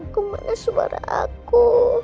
kemana suara aku